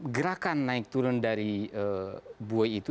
gerakan naik turun dari buoy itu